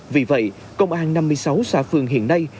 vì vậy công an năm mươi sáu xã phường hiện nay